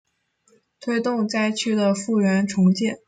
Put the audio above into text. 推动灾区的复原重建